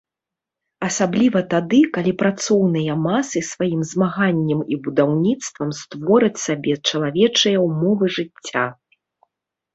Асабліва тады, калі працоўныя масы сваім змаганнем і будаўніцтвам створаць сабе чалавечыя ўмовы жыцця.